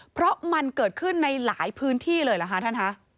เพราะมันเกิดขึ้นในหลายพื้นที่เลยเหรอคะท่านคะ